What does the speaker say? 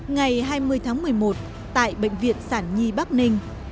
ngày hai mươi tháng một mươi một tại bệnh viện sản nhi bắc ninh